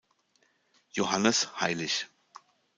Johannes heilig.